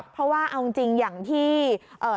เพราะว่าเอาจริงอย่างที่เอ่อ